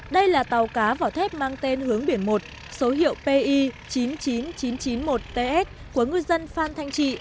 đây là tàu cá vỏ thép mang tên hướng biển một số hiệu pi chín mươi chín nghìn chín trăm chín mươi một ts của ngư dân phan thanh trị